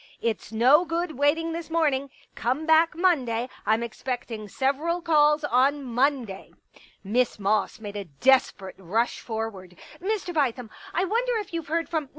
" It's no good waiting this morning. Come back Monday ; I'm expecting several calls on Monday." i6s Pictures Miss Moss made a desperate rush forward. " Mr. Bithem, I wonder if you Ve heard from